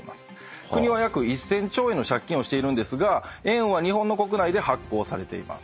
国は約１，０００兆円の借金をしているんですが円は日本の国内で発行されています。